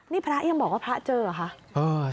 นี่พระยังบอกว่าพระเจอเหรอคะ